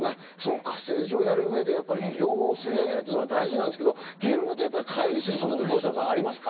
政治をやる上で両方吸い上げることは大事ですけど、現場とかい離することってありますか？